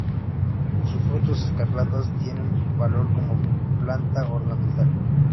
Sus frutos escarlatas tienen valor como planta ornamental.